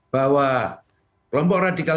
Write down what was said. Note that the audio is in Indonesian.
bahwa kelompok radikal